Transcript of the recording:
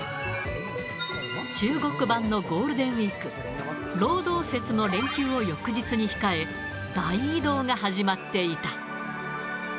中国版のゴールデンウィーク、労働節の連休を翌日に控え、大移動が始まっていた。